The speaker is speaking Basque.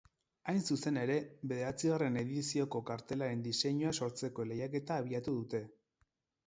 Hain zuzen ere, bederatzigarren edizioko kartelaren diseinua sortzeko lehiaketa abiatu dute.